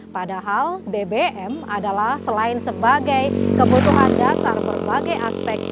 padahal bbm adalah selain sebagai kebutuhan dasar berbagai aspek